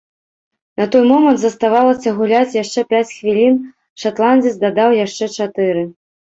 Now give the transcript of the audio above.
На той момант заставалася гуляць яшчэ пяць хвілін, шатландзец дадаў яшчэ чатыры.